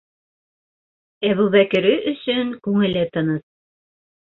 Әбүбәкере өсөн күңеле тыныс.